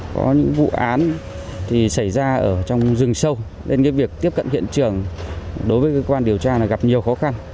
có những vụ án thì xảy ra ở trong rừng sâu nên việc tiếp cận hiện trường đối với cơ quan điều tra gặp nhiều khó khăn